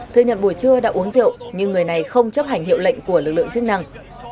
thừa nhận buổi trưa đã uống rượu nhưng người này không chấp hành hiệu lệnh của lực lượng chức năng